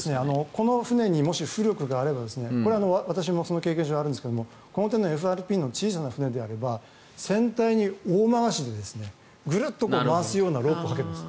この船に浮力があれば私も経験上あるんですがこの手のＦＲＰの小さな船であれば船体に大回しでぐるっと回すようなロープをかけます。